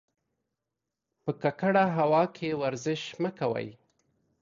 په ککړه هوا کې ورزش مه کوئ.